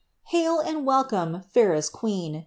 IOL *Hail and welcome, fairest queen!